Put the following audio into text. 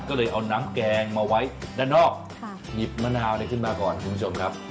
ก็เลยเอาน้ำแกงมาไว้ด้านนอกหยิบมะนาวขึ้นมาก่อนคุณผู้ชมครับ